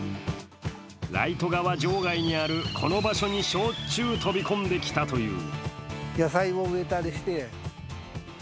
ライト側場外にあるこの場所にしゅっちょう飛び込んできたという。